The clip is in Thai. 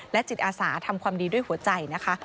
จิตอาสาทำความดีด้วยหัวใจนะคะ